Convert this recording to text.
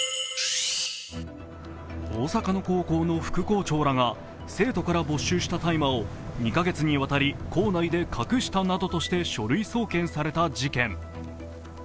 大阪の高校の副校長らが生徒から没収した大麻を２カ月にわたり校内で隠したなどとして書類送検された事件。